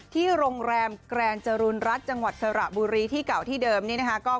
ที่โรงแรมแกรนจรูนรัฐจังหวัดสระบุรีที่เก่าที่เดิมนี้นะคะ